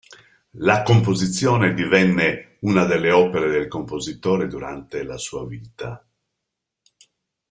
La composizione divenne una delle opere del compositore durante la sua vita.